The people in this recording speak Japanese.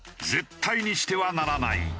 絶対にしてはならない。